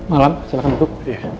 malam silahkan duduk